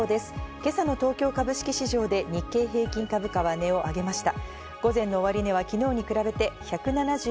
今朝の東京株式市場で日経平均株価は値を上げました。